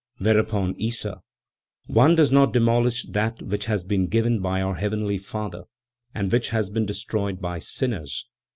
Whereupon Issa: "One does not demolish that which has been given by our Heavenly Father, and which has been destroyed by sinners.